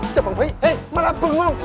jangan bayi eh malah bengong